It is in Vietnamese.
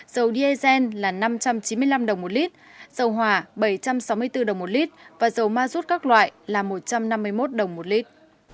dầu diesel là năm trăm chín mươi năm đồng một lít dầu hỏa bảy trăm sáu mươi bốn đồng một lít và dầu ma rút các loại là một trăm năm mươi một đồng một lít